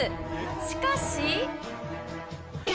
しかし。